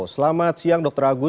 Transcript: selamat siang dr agus